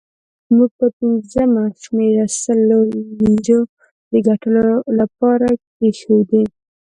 موږ پر پنځمه شمېره سلو لیرې د ګټلو لپاره کېښودې.